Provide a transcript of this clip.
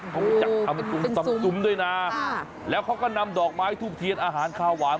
เป็นสุมค่ะแล้วเขาก็นำดอกไม้ทูบเทียดอาหารข้าวหวาน